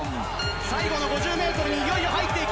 最後の５０メートルにいよいよ入っていく。